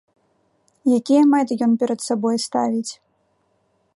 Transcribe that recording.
Якія мэты ён перад сабой ставіць?